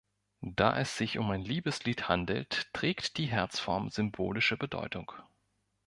Da es sich um ein Liebeslied handelt, trägt die Herzform symbolische Bedeutung.